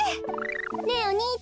ねえお兄ちゃん。